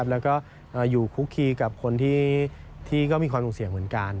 แล้วก็อยู่คุกคีกับคนที่ก็มีความสูงเสี่ยงเหมือนกัน